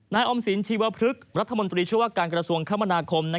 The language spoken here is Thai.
นายออมสินชีวพฤกษ์รัฐมนตรีชั่วการกรสวงศ์คมณาคม